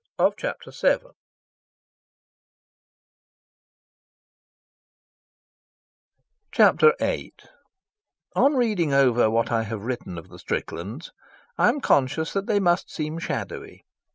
Chapter VIII On reading over what I have written of the Stricklands, I am conscious that they must seem shadowy.